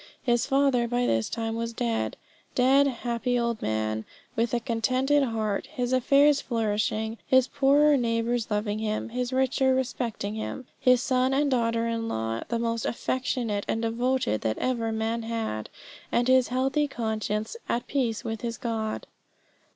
His father by this time was dead; dead, happy old man, with a contented heart his affairs flourishing, his poorer neighbours loving him, his richer respecting him, his son and daughter in law, the most affectionate and devoted that ever man had, and his healthy conscience at peace with his God.